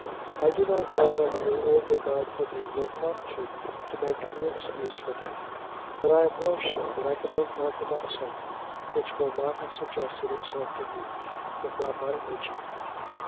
I do not know whether your old regard for me will prompt you to make any excuse for me, but I am well sure that I can make none for myself which will not have suggested itself to you, without my urging it.